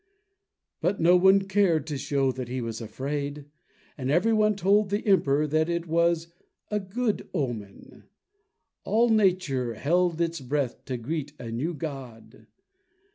But no one cared to show that he was afraid, and everyone told the Emperor that this was a good omen. All Nature held its breath to greet a new god.